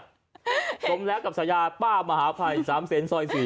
สมแล้วกับฉายาป้ามหาภัย๓เซนซอย๔